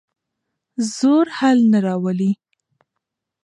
زور حل نه راولي.